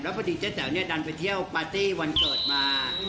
แล้วปฏิเสธนี้ดันไปเที่ยวปาร์ตี้วันเกิดมา